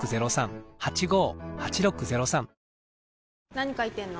何書いてんの？